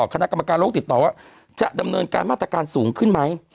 คณะกรรมการโลกติดต่อว่าจะดำเนินการมาตรการสูงขึ้นไหม